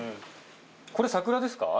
これ桜ですか？